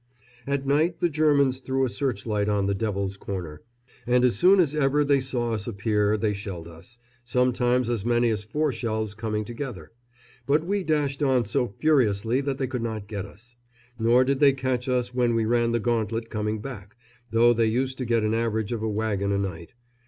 At night the Germans threw a searchlight on the "Devil's Corner," and as soon as ever they saw us appear they shelled us, sometimes as many as four shells coming together; but we dashed on so furiously that they could not get us, nor did they catch us when we ran the gauntlet coming back, though they used to get an average of a wagon a night.